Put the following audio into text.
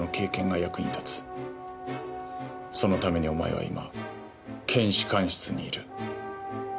そのためにお前は今検視官室にいる。